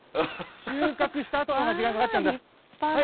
収穫したあとのほうが時間かかっちゃうんだ。